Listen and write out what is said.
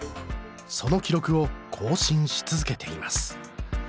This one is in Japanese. その記録を更新し続けています